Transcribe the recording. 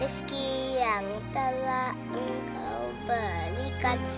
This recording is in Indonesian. rizki yang telah engkau belikan